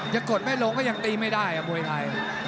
กดไม่ลงก็ยังตีไม่ได้มวยไทย